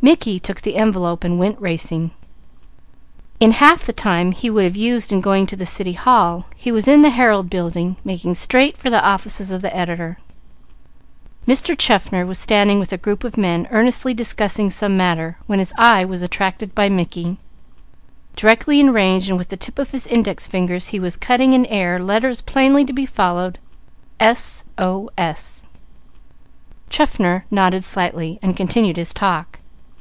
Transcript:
Mickey took the envelope and went racing. In half the time he would have used in going to the City Hall he was in the Herald Building, making straight for the office of the editor. Mr. Chaffner was standing with a group of men earnestly discussing some matter, when his eye was attracted by Mickey, directly in range, and with the tip of his index finger he was cutting in air letters plainly to be followed: "S.O.S." Chaffner nodded slightly, and continued his talk.